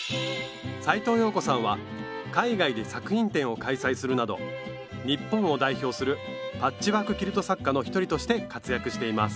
斉藤謠子さんは海外で作品展を開催するなど日本を代表するパッチワーク・キルト作家の一人として活躍しています